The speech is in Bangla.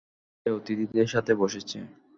সে অতিথিদের সাথে বসেছে।